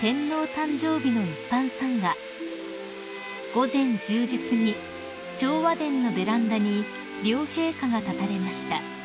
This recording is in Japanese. ［午前１０時すぎ長和殿のベランダに両陛下が立たれました］